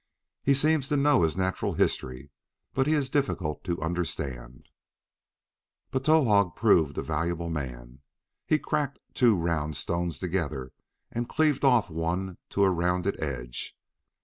"He seems to know his natural history, but he is difficult to understand." But Towahg proved a valuable man. He cracked two round stones together, and cleaved off one to a rounded edge.